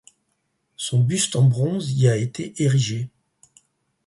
Son buste en bronze y a été érigé.